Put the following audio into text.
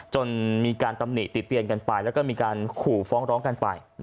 จนมีการตำหนิติเตียนกันไปแล้วก็มีการขู่ฟ้องร้องกันไป